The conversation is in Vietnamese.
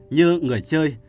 như người chơi